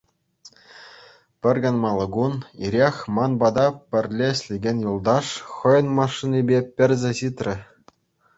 Пӗр канмалли кун ирех ман пата пӗрле ӗҫлекен юлташ хӑйӗн машинипе персе ҫитрӗ.